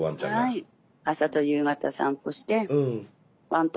はい。